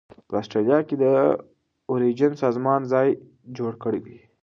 په اسټرالیا کې د اوریجن سازمان ځای جوړ کړی دی.